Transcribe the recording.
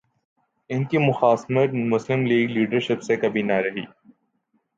ان کی مخاصمت مسلم لیگ لیڈرشپ سے کبھی نہ رہی۔